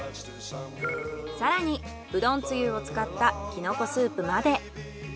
更にうどんつゆを使ったキノコスープまで。